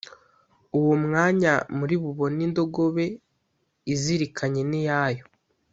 uwo mwanya muri bubone indogobe izirikanye n’iyayo